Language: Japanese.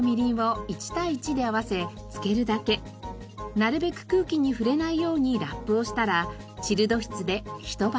なるべく空気に触れないようにラップをしたらチルド室でひと晩。